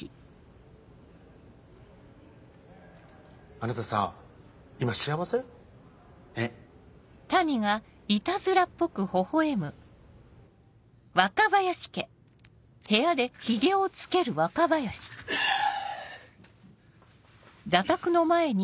あなたさ今幸せ？えっ。ハァ。